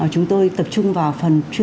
chúng tôi tập trung vào phần